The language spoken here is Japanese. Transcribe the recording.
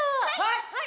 はい！